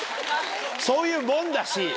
そういうもんだし。